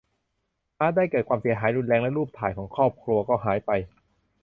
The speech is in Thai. ฮาร์ดไดรฟ์เกิดความเสียหายรุนแรงและรูปถ่ายของครอบครัวก็หายไป